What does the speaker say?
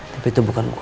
tapi itu bukan gue